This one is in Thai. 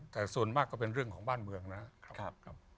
แต่ส่วนมากก็เป็นเรื่องของบ้านเมืองนะครับ